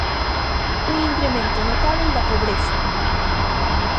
Un incremento notábel da pobreza.